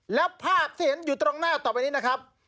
แล้วภาพที่เห็นอยู่ตรงหน้าต่อไปนี้นะครับ